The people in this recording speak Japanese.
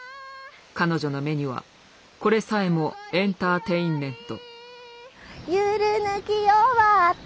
彼女の目にはこれさえもエンターテインメント。